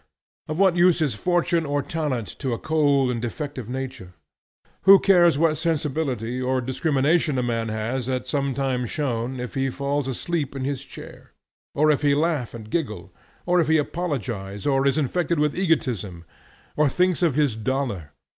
Of what use is fortune or talent to a cold and defective nature? Who cares what sensibility or discrimination a man has at some time shown, if he falls asleep in his chair? or if he laugh and giggle? or if he apologize? or is infected with egotism? or thinks of his dollar?